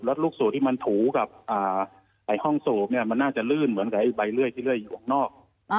แล้วลูกสูบที่มันถูกับห้องสูบมันน่าจะลื่นเหมือนกับใบเลื่อยที่เลื่อยอยู่ข้างนอก